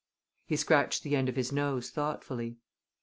He scratched the end of his nose thoughtfully.